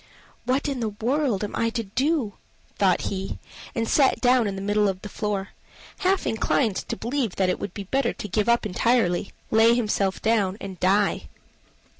"What in the world am I to do?" thought he, and sat down in the middle of the floor, half inclined to believe that it would be better to give up entirely, lay himself down, and die.